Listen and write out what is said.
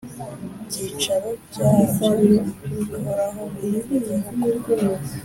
Byicaro byabyo bihoraho biri mu gihugu